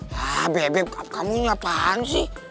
hah beb kamu nyapan sih